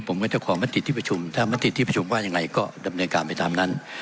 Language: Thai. ผมก็จะขอมติที่ประชุมถ้ามติที่ประชุมว่ายังไงก็ดำเนินการไปตามนั้น